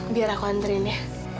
biar aku anterin ya